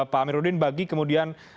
pak aminuddin bagi kemudian